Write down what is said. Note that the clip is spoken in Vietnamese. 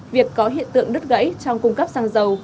việc có hiện tượng đứt gãy trong cung cấp xăng dầu